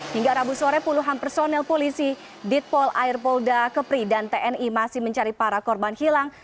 hingga rabu sore puluhan personel polisi ditpol air polda kepri dan tni masih mencari para korban hilang